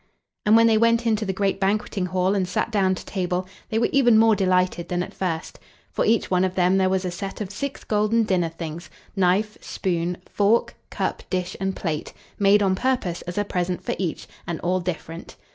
And when they went in to the great banqueting hall and sat down to table, they were even more delighted than at first. For each one of them there was a set of six golden dinner things knife, spoon, fork, cup, dish, and plate made on purpose as a present for each, and all different.